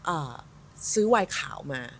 อ่าซื้อวายขาวมา